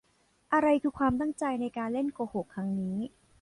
อะไรคือความตั้งใจในการเล่นโกหกครั้งนี้ ?